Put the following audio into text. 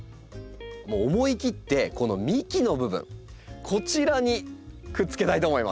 思い切ってこの幹の部分こちらにくっつけたいと思います。